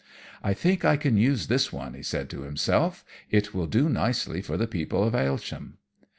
"I think I can use this one," he said to himself. "It will do nicely for the people of Aylesham.